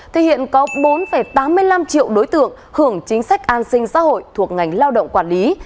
thì hiện có bốn tám mươi năm triệu đối tượng hưởng chính sách an sinh xã hội thuộc ngành lao động quản lý